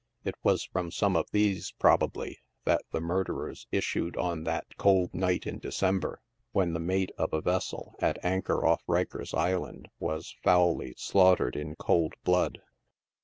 It was from some of these, probably, that the murderers issued on that cold night in December, when the mate of a vessel, at anchor off Riker's Island, was foully slaughtered in cold blood.